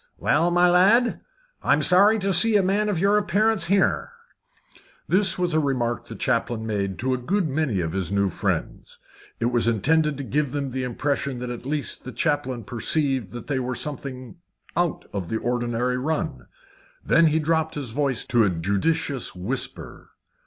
"Well, my lad, I'm sorry to see a man of your appearance here." This was a remark the chaplain made to a good many of his new friends. It was intended to give them the impression that at least the chaplain perceived that they were something out of the ordinary run. Then he dropped his voice to a judicious whisper.